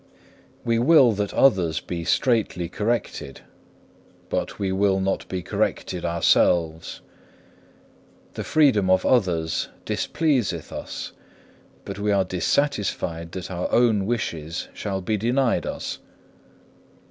3. We will that others be straitly corrected, but we will not be corrected ourselves. The freedom of others displeaseth us, but we are dissatisfied that our own wishes shall be denied us.